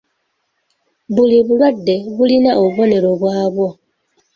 Buli bulwadde bulina obubonero bwabwo.